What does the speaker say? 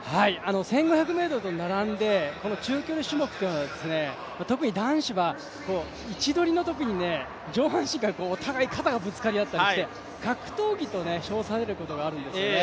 １５００ｍと並んで、中距離種目というのは特に男子は位置取りのお互い肩がぶつかったりして格闘技と称されることがあるんですね。